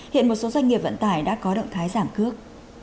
hiện một số doanh nghiệp vận tải đã có động thái giảm cước